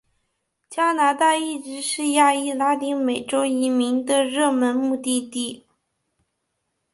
加拿大一直是亚裔拉丁美洲移民的热门目的地。